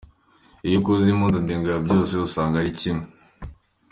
Iyo ukoze impuzandego ya byose, usanga ari kimwe.